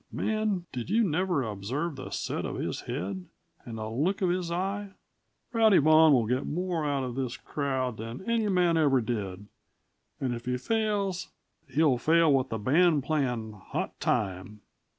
Man, did you never observe the set of his head, and the look of his eye? Rowdy Vaughan will get more out of this crowd than any man ever did; and if he fails, he'll fail with the band playing 'Hot Time.'"